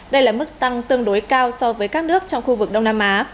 đây là mức tăng tương đối cao so với các nước trong khu vực đông nam á